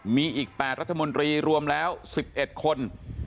มีอีก๘รัฐมนตรีรวมแล้ว๑๑คน